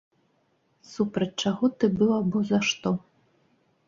Супраць чаго ты быў або за што?